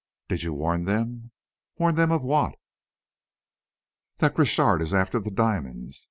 "Did you warn them?" "Warn them of what?" "That Crochard is after the diamonds.